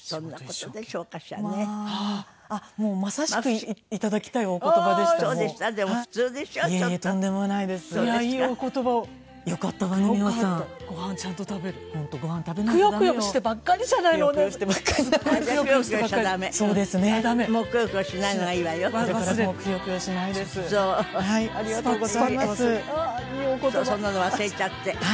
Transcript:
そんなの忘れちゃって。